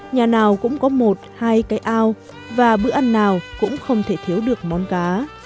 nhà nào cũng có một hai cái ao và bữa ăn nào cũng không thể thiếu được món cá